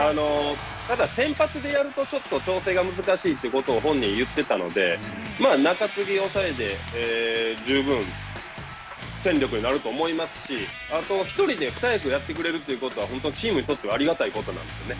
ただ、先発でやるとちょっと調整が難しいということを本人言ってたので、中継ぎ、抑えで十分戦力になると思いますし、あと、１人で二役をやってくれるというのは本当チームにとってはありがたいことなんですよね。